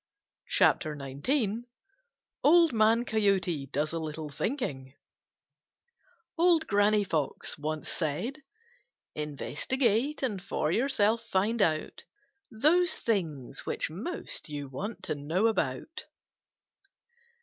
CHAPTER XIX Old Man Coyote Does A Little Thinking Investigate and for yourself find out Those things which most you want to know about.